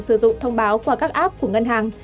sử dụng thông báo qua các app của ngân hàng